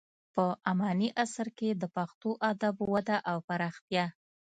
په اماني عصر کې د پښتو ادب وده او پراختیا: